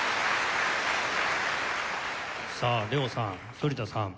さあＬＥＯさん反田さん